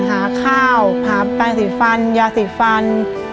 หาข้าวหาแปลงสีฟันยาสีฟัน